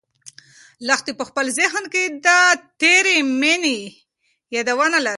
لښتې په خپل ذهن کې د تېرې مېنې یادونه لرل.